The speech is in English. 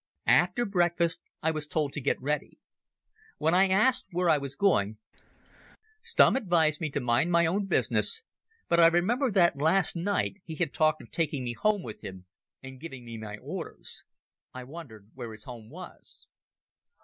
After breakfast I was told to get ready. When I asked where I was going Stumm advised me to mind my own business, but I remembered that last night he had talked of taking me home with him and giving me my orders. I wondered where his home was.